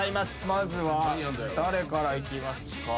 まずは誰からいきますか？